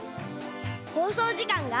ほうそうじかんが。